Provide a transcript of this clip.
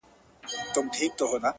د انتظار خبري ډيري ښې دي ـ